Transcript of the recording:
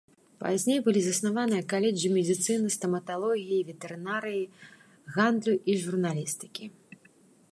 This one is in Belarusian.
Пазней былі заснаваныя каледжы медыцыны, стаматалогіі, ветэрынарыі, гандлю і журналістыкі.